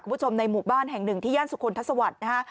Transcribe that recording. คุณผู้ชมในหมู่บ้านแห่งหนึ่งที่ย่านสุคลทัศวรรค์นะฮะ